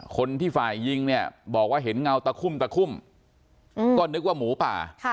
คนที่ฝ่ายยิงเนี่ยบอกว่าเห็นเงาตะคุ่มตะคุ่มก็นึกว่าหมูป่า